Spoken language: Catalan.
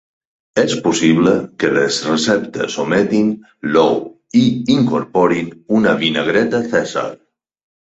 És possible que les receptes ometin l'ou i incorporin una "vinagreta Cèsar".